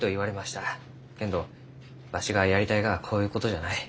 けんどわしがやりたいがはこういうことじゃない。